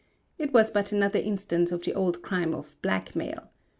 It was but another instance of the old crime of "blackmail."